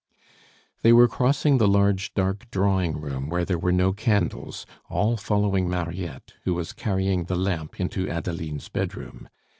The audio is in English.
They were crossing the large, dark drawing room where there were no candles, all following Mariette, who was carrying the lamp into Adeline's bedroom.